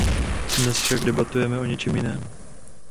Dnes však debatujeme o něčem jiném.